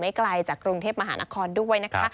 ไกลจากกรุงเทพมหานครด้วยนะคะ